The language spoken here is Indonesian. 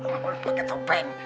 malu pakai topeng